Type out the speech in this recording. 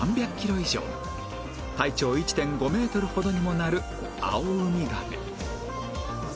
以上体長 １．５ メートルほどにもなるアオウミガメ